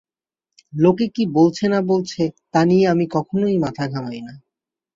লোকে কি বলছে না-বলছে, তা নিয়ে আমি কখনো মাথা ঘামাই না।